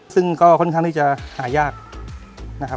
ซึ่งก็ค่อนข้างที่จะหายากนะครับ